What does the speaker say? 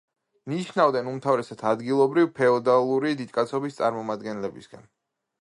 ნიშნავდნენ უმთავრესად ადგილობრივ, ფეოდალური დიდკაცობის წარმომადგენლებისაგან.